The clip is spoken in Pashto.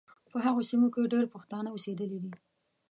په هغو سیمو کې ډېر پښتانه اوسېدلي دي.